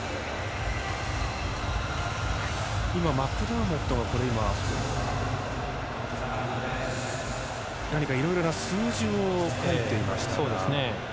今、マクダーモットが何か、いろいろな数字を書いていましたが。